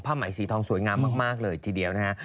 ไหมสีทองสวยงามมากเลยทีเดียวนะฮะ